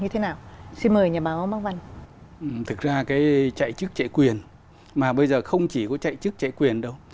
thực ra cái chạy chức chạy quyền mà bây giờ không chỉ có chạy chức chạy quyền đâu